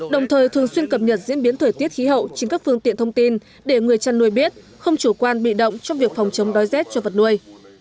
đồng thời thường xuyên cập nhật diễn biến thời tiết khí hậu trên các phương tiện thông tin để người chăn nuôi biết không chủ quan bị động trong việc phòng chống đói rét cho vật nuôi